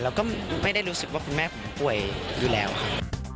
แล้วก็ไม่ได้รู้สึกว่าคุณแม่ผมป่วยอยู่แล้วครับ